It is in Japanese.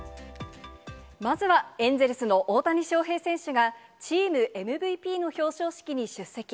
まずはエンゼルスの大谷翔平選手がチームＭＶＰの表彰式に出席。